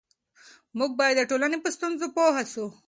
موږ باید د ټولنې په ستونزو پوه سو.